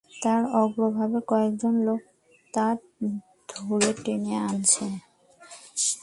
তার অগ্রভাগে কয়েকজন লোক তা ধরে টেনে আনছে।